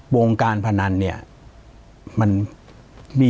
ปากกับภาคภูมิ